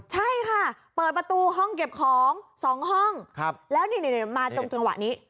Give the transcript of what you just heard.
ใช่ค่ะเปิดประตูห้องเก็บของ๒ห้องแล้วนี่มาตรงจังหวะนี้